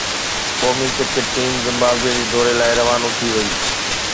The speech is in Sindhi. قومي ڪرڪيٽ ٽيم زمبابوي جي دوري لاءِ روانو ٿي وئي